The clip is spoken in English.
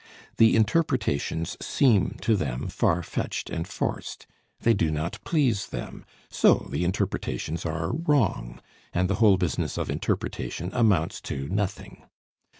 The interpretations seem to them far fetched and forced, they do not please them, so the interpretations are wrong and the whole business of interpretation amounts to nothing.